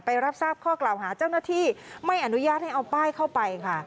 รับทราบข้อกล่าวหาเจ้าหน้าที่ไม่อนุญาตให้เอาป้ายเข้าไปค่ะ